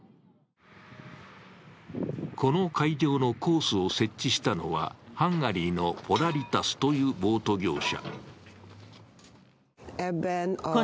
この会場のコースを設置したのはハンガリーのポラリタスというボート業者。